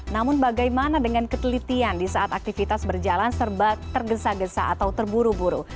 namun bagaimana dengan ketelitian di saat aktivitas berjalan serba tergesa gesa atau terburu buru